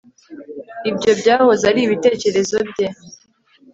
ibyo byahoze ari ibitekerezo bye